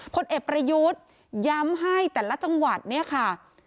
พลเอกประยุทธ์ย้ำให้แต่ละจังหวัดเนี่ยค่ะ